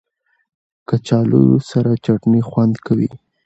کچالو سره چټني خوند کوي